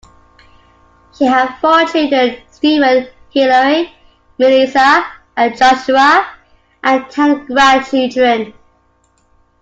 She had four children - Stephen, Hilary, Melissa and Joshua - and ten grandchildren.